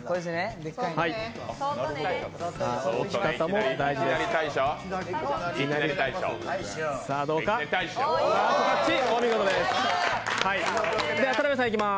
置き方も大事です。